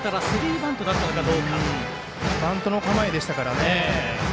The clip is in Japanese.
バントの構えでしたからね。